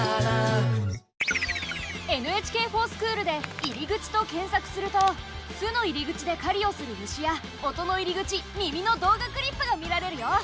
「ＮＨＫｆｏｒＳｃｈｏｏｌ」で「入り口」と検さくすると巣の入り口で狩りをする虫や音の入り口「耳」の動画クリップが見られるよ。